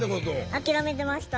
諦めてました。